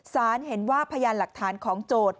เห็นว่าพยานหลักฐานของโจทย์